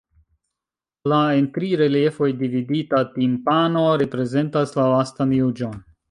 La en tri reliefoj dividita timpano reprezentas la Lastan juĝon.